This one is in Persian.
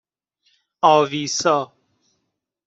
آویسا